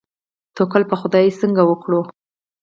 توکل په خدای څنګه وکړو؟